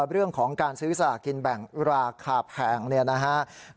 เรื่องของการซื้อสลากินแบ่งราคาแพงเนี่ยนะฮะ